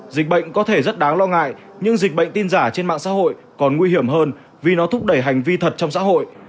dịch bệnh có thể rất đáng lo ngại nhưng dịch bệnh tin giả trên mạng xã hội còn nguy hiểm hơn vì nó thúc đẩy hành vi thật trong xã hội